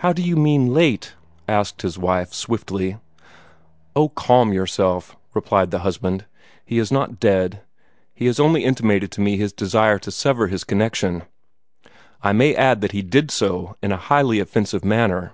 "How do you mean LATE" asked his wife, swiftly. "Oh, calm yourself!" replied the husband. "He is not dead. He has only intimated to me his desire to sever his connection. I may add that he did so in a highly offensive manner."